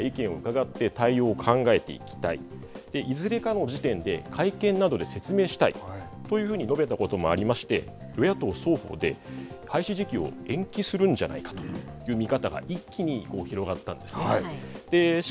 関係者の声や意見をうかがって考えていきたいいずれかの時点で会見などで説明したいというふうに述べたこともありまして与野党双方で廃止時期を延期するんじゃないかという見方が一気に広がったんですね。